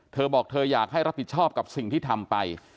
เธอบอกเธออยากให้รับผิดชอบกับสิ่งที่ทำไป